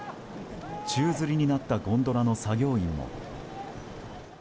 宙づりになったゴンドラの作業員も。